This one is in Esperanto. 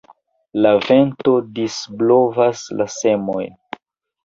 La vento disblovas la semojn.